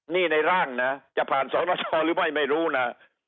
นี่ในร่างนะจะผ่านสรชอหรือไม่ไม่รู้นะ